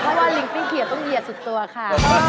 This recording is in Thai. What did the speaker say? เพราะว่าลิงปิ้งเขียวต้องเหยียดสุดตัวค่ะ